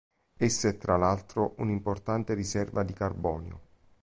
Essa è tra l'altro, un'importante riserva di carbonio.